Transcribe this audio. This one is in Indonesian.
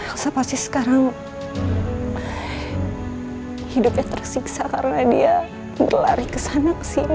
elsa pasti sekarang hidupnya tersiksa karena dia berlari kesana kesini